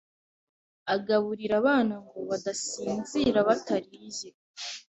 agaburira abana ngo badasinzira batariye.